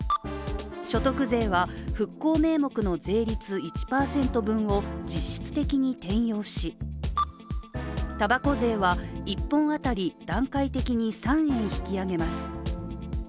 所得税は、復興名目の税率１％を実質的に転用したばこ税は１本当たり段階的に３円引き上げます。